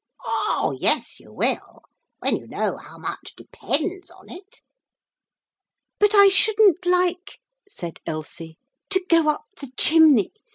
'Oh yes, you will, when you know how much depends on it.' 'But I shouldn't like,' said Elsie, 'to go up the chimney.